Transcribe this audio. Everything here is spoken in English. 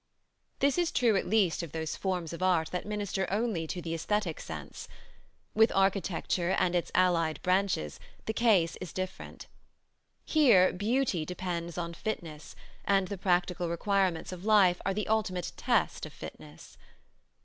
This is true at least of those forms of art that minister only to the æsthetic sense. With architecture and its allied branches the case is different. Here beauty depends on fitness, and the practical requirements of life are the ultimate test of fitness.